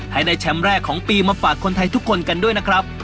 ให้ได้แชมป์แรกของปีมาฝากคนไทยทุกคนกันด้วยนะครับ